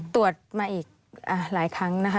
ตรวจมาอีกหลายครั้งนะคะ